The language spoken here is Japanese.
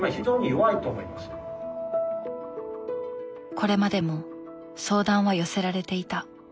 これまでも相談は寄せられていた。